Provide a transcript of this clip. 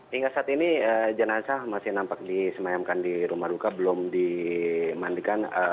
hingga saat ini jenazah masih nampak disemayamkan di rumah duka belum dimandikan